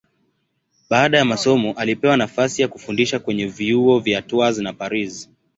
Baada ya masomo alipewa nafasi ya kufundisha kwenye vyuo vya Tours na Paris.